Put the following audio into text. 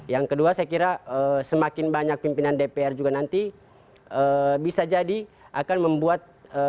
yang kedua saya kira semakin banyak pimpinan dpr juga nanti bisa jadi akan membuat